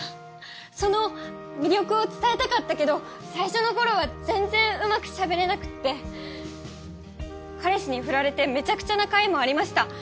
その魅力を伝えたかったけど最初の頃は全然うまくしゃべれなくって彼氏に振られてめちゃくちゃな回もありました。